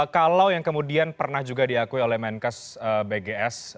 kalau yang kemudian pernah juga diakui oleh menkes bgs